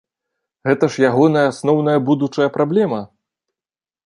Гэта ж ягоная асноўная будучая праблема?